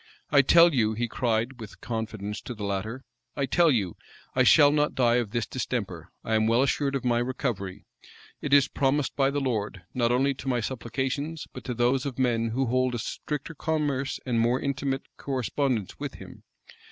"I tell you," he cried with confidence to the latter, "I tell you, I shall not die of this distemper: I am well assured of my recovery. It is promised by the Lord, not only to my supplications, but to those of men who hold a stricter commerce and more intimate correspondence with him.